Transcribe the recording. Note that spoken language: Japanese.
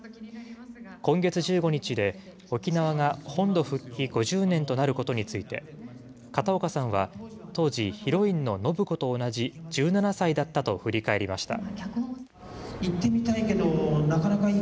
今月１５日で、沖縄が本土復帰５０年となることについて、片岡さんは当時、ヒロインの暢子と同じ１７歳だったと振り返りました。